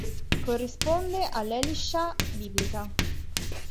Corrisponde all'Elishah biblica.